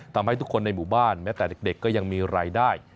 ทำให้ทุกคนในหมู่บ้านแม้แต่เด็กก็ยังมีรายได้